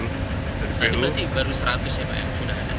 nanti baru seratus ya pak